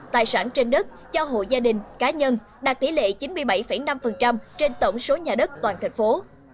tài sản trên đất cho hộ gia đình cá nhân đạt tỷ lệ chín mươi bảy năm trên tổng số nhà đất toàn thành phố